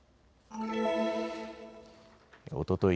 おととい